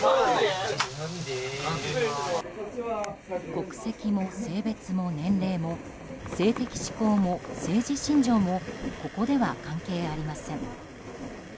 国籍も性別も年齢も性的指向も政治信条もここでは関係ありません。